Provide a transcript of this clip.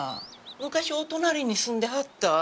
昔お隣に住んではった。